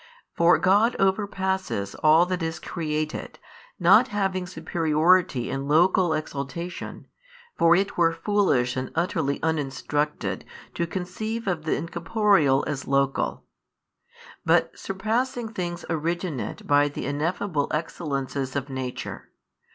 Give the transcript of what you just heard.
For God overpasses all that is created, not having superiority in local exaltation (for it were foolish and utterly uninstructed to conceive of the Incorporeal as local) but surpassing things originate by the ineffable Excellences of Nature.